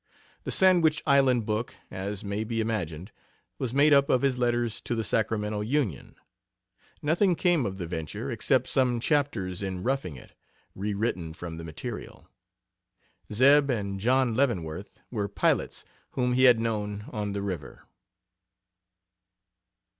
The "Sandwich Island book," as may be imagined, was made up of his letters to the Sacramento Union. Nothing came of the venture, except some chapters in 'Roughing It', rewritten from the material. "Zeb and John Leavenworth" were pilots whom he had known on the river.